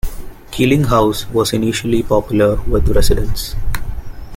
Keeling House was initially popular with residents.